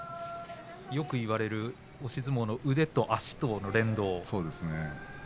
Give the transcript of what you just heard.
よく言われる押し相撲の腕と足との連動。